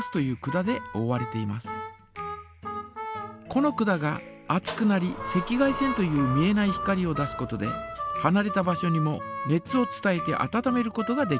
この管が熱くなり赤外線という見えない光を出すことではなれた場所にも熱を伝えてあたためることができます。